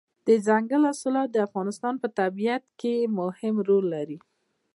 دځنګل حاصلات د افغانستان په طبیعت کې مهم رول لري.